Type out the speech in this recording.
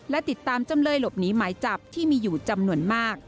และติดตามจำเลยหลบหนีหมายจับที่มีอยู่จำนวนมาก